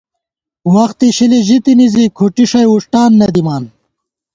وخت اشِلی ژِتِنی زی کھُٹی ݭَئی وݭٹان نہ دِمان